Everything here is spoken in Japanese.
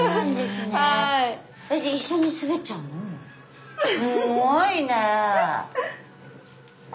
すごいね！